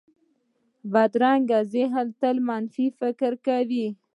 بدرنګه ذهن تل منفي فکر کوي